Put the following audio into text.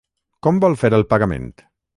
Com vol fer el pagament?